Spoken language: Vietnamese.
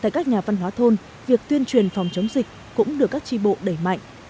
các nhà văn hóa thôn việc tuyên truyền phòng chống dịch cũng được các tri bộ đẩy mạnh